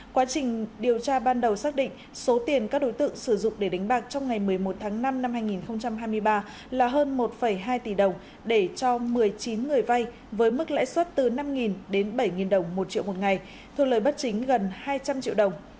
quá trình điều tra ban đầu xác định số tiền các đối tượng sử dụng để đánh bạc trong ngày một mươi một tháng năm năm hai nghìn hai mươi ba là hơn một hai tỷ đồng để cho một mươi chín người vay với mức lãi suất từ năm đến bảy đồng một triệu một ngày thu lời bất chính gần hai trăm linh triệu đồng